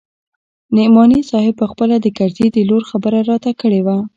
نعماني صاحب پخپله د کرزي د لور خبره راته کړې وه.